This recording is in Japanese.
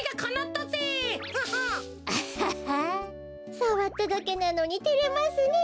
さわっただけなのにてれますねえ。